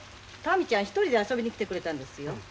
民ちゃん１人で遊びに来てくれたんですよ。